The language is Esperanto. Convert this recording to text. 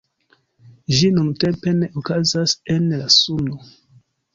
Ĝi nuntempe ne okazas en la Suno.